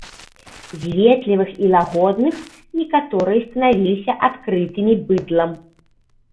З ветлівых і лагодных некаторыя станавіліся адкрытымі быдлам.